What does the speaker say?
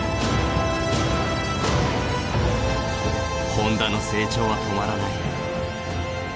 本多の成長は止まらない。